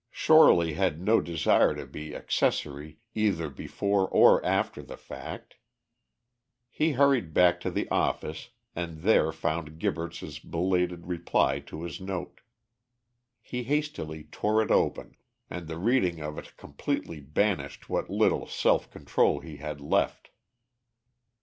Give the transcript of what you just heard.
Shorely had no desire to be accessory either before or after the fact. He hurried back to the office, and there found Gibberts' belated reply to his note. He hastily tore it open, and the reading of it completely banished what little self control he had left.